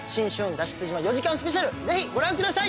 脱出島４時間ＳＰぜひご覧ください！